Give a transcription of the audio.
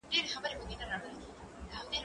کېدای سي زدکړه سخته وي؟